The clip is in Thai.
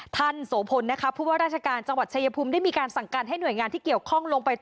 โสพลนะคะผู้ว่าราชการจังหวัดชายภูมิได้มีการสั่งการให้หน่วยงานที่เกี่ยวข้องลงไปตรวจ